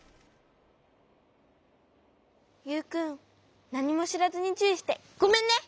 ユウくんなにもしらずにちゅういしてごめんね。